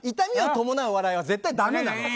痛みを伴う笑いは絶対ダメなの。